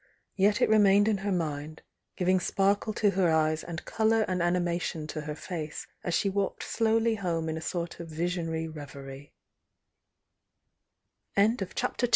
Yet it remained in her mind, giving sparkle to her eyes and cobur and ani mation to her face as she walked slowly home in a sort of visionar